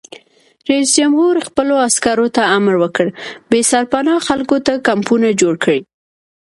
رئیس جمهور خپلو عسکرو ته امر وکړ؛ بې سرپناه خلکو ته کمپونه جوړ کړئ!